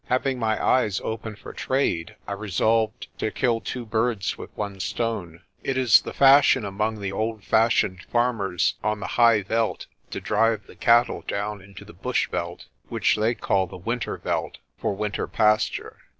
Having my eyes open for trade, I resolved to kill two birds with one stone. It is the fashion among the old fashioned farmers on the high veld to drive the cattle down into the bush veld which they call the winter veld for winter pasture.